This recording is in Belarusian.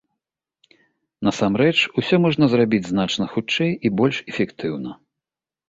Насамрэч, усё можна зрабіць значна хутчэй і больш эфектыўна.